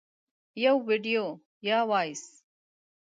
- یو ویډیو یا Voice 🎧